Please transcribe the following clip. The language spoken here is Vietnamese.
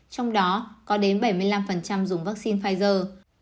trong đó có đến bảy mươi năm dùng vaccine pfizer